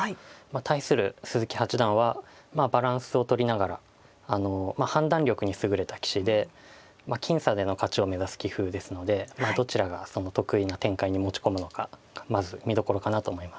対する鈴木八段はバランスをとりながら判断力に優れた棋士で僅差での勝ちを目指す棋風ですのでどちらが得意な展開に持ち込むのかがまず見どころかなと思います。